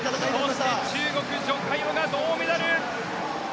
そして中国、ジョ・カヨが銅メダル。